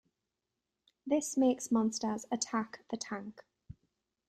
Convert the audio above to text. This makes monsters attack the tank.